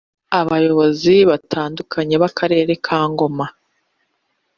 Abayobozi batandukanye b’akarere ka Ngoma